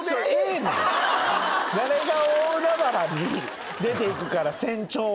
誰が大海原に出ていくから船長笑いやねん？